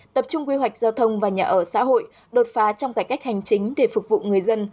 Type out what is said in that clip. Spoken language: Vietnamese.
tập trung quy hoạch giao thông và nhà ở xã hội đột phá trong cải cách hành chính để phục vụ người dân